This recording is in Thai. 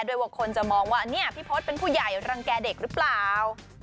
ว่าคนจะมองว่าเนี่ยพี่พศเป็นผู้ใหญ่รังแก่เด็กหรือเปล่า